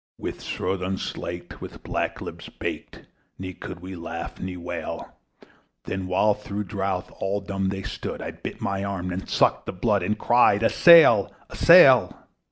With throats unslaked, with black lips baked, We could not laugh nor wail; Through utter drought all dumb we stood! I bit my arm, I sucked the blood, And cried, A sail! a sail!